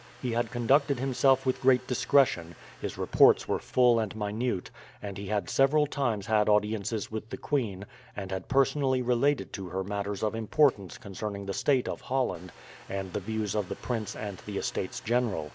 He had conducted himself with great discretion, his reports were full and minute, and he had several times had audiences with the queen, and had personally related to her matters of importance concerning the state of Holland, and the views of the prince and the Estates General.